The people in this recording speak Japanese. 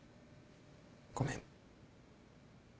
ごめん。